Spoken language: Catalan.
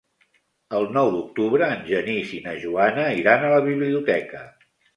El nou d'octubre en Genís i na Joana iran a la biblioteca.